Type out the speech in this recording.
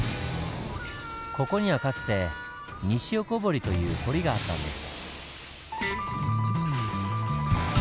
ここにはかつて「西横堀」という堀があったんです。